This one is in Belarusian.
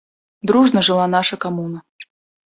Дружна жыла наша камуна.